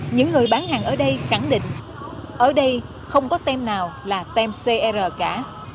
những người bán hàng ở đây khẳng định ở đây không có tem nào là tem cr cả